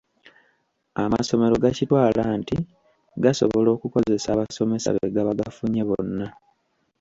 Amasomero gakitwala nti gasobola okukozesa abasomesa be gaba gafunye bonna.